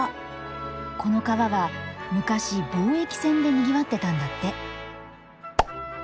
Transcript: この川は昔貿易船でにぎわってたんだって。